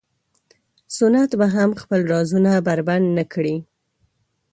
سنت به هم خپل رازونه بربنډ نه کړي.